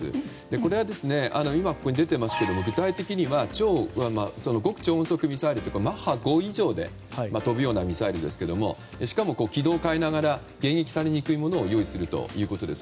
これは、今ここに出ていますけれども具体的には極超音速ミサイルというマッハ５以上で飛ぶようなミサイルですがしかも、軌道を変えながら迎撃されにくいものを用意するということです。